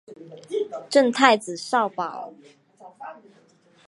赠太子少保。